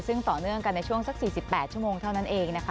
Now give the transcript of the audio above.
ซึ่งต่อเนื่องกันใน๔๘ชั่วโมงเท่านั้นเอง